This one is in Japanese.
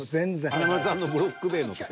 華丸さんのブロック塀のとこ。